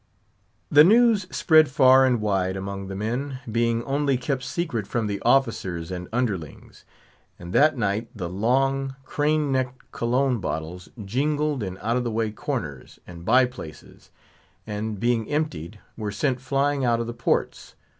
The news spread far and wide among the men, being only kept secret from the officers and underlings, and that night the long, crane necked Cologne bottles jingled in out of the way corners and by places, and, being emptied, were sent flying out of the ports.